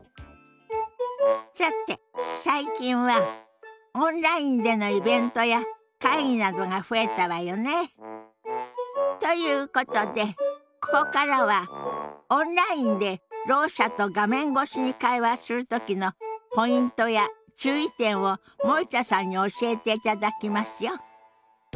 さて最近はオンラインでのイベントや会議などが増えたわよね。ということでここからはオンラインでろう者と画面越しに会話する時のポイントや注意点を森田さんに教えていただきますよ。